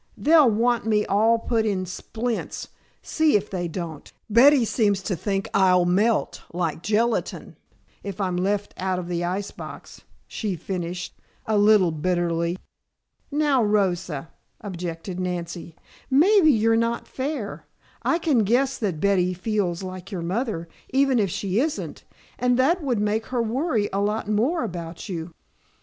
"They'll want me all put in splints, see if they don't. Betty seems to think I'll melt, like gelatine, if I'm left out of the ice box," she finished, a little bitterly. "Now, Rosa," objected Nancy, "maybe you're not fair. I can guess that Betty feels like your mother, even if she isn't, and that would make her worry a lot more about you.